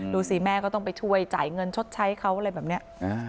ดูสิแม่ก็ต้องไปช่วยจ่ายเงินชดใช้เขาอะไรแบบนี้